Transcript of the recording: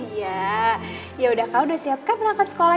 iya yaudah kamu udah siapkan perangkat sekolahnya